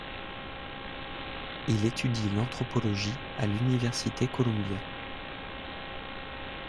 Il étudie l'Anthropologie à l'Université Columbia.